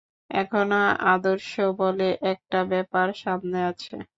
এখনো আদর্শ বলে একটা ব্যাপার সামনে আছে।